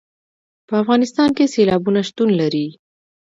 په افغانستان کې سیلابونه شتون لري.